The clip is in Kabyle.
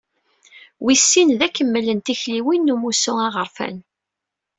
Wis sin, d akemmel n tikliwin n umussu aɣerfan.